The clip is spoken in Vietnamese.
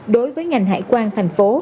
đối với ngành hải quan thành phố